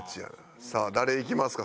さあ誰いきますか？